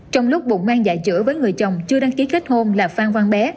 trong lúc bụng an dạy chữa với người chồng chưa đăng ký kết hôn là phan văn bé